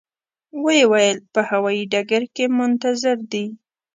و یې ویل په هوایي ډګر کې منتظر دي.